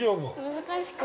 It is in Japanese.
◆難しくて。